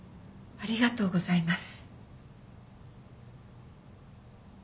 ありがとうございます。